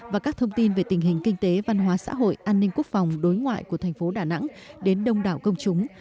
và các thông tin về tình hình kinh tế văn hóa xã hội an ninh quốc phòng đối ngoại của thành phố đà nẵng đến đông đảo công chúng